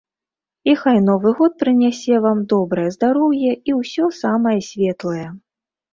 І хай новы год прынясе вам добрае здароўе і ўсё самае светлае.